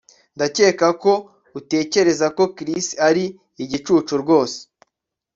Ndakeka ko utekereza ko Chris ari igicucu rwose